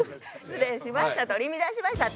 失礼しました。